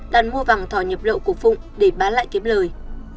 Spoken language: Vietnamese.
đàn mua vàng thỏ nhập lậu của phụng để bán lại kiếm lời